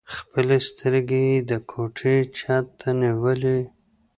خپلې سترګې يې د کوټې چت ته ونيولې.